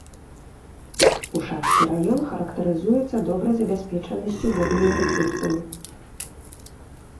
Ушацкі раён характарызуецца добрай забяспечанасцю воднымі рэсурсамі.